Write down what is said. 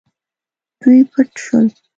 دوی پټ شول.